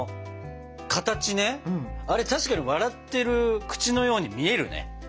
あれ確かに笑ってる口のように見えるね。